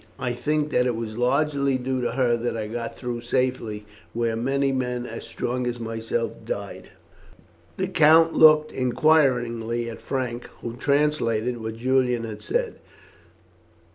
I think that it was largely due to her that I got through safely where many men as strong as myself died." The count looked inquiringly at Frank, who translated what Julian had said.